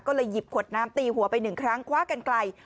ก็เลยหยิบขวดน้ำตีหัวไปหนึ่งครั้งคว้ากันไกล